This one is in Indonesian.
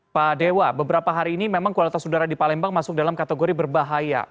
pak dewa beberapa hari ini memang kualitas udara di palembang masuk dalam kategori berbahaya